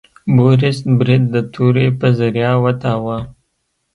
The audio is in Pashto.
بوریس برید د تورې په ذریعه وتاوه.